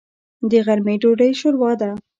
د غرمې ډوډۍ شوروا ده.